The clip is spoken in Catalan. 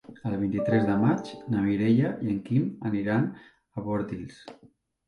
El vint-i-tres de maig na Mireia i en Quim aniran a Bordils.